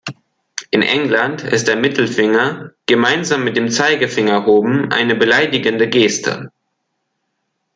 In England ist der Mittelfinger, gemeinsam mit dem Zeigefinger erhoben, eine beleidigende Geste.